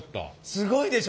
すごいでしょ？